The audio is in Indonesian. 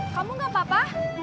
kamu gak apa apa